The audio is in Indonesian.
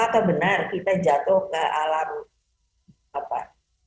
apakah benar kita jatuh ke alam apa